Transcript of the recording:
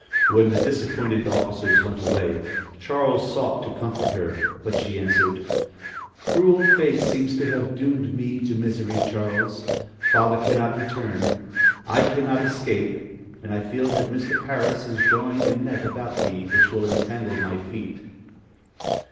When the disappointed officers went away, Charles sought to comfort her; but she answered: "Cruel fate seems to have doomed me to misery, Charles. Father cannot return; I cannot escape, and I feel that Mr. Parris is drawing a net about me, which will entangle my feet."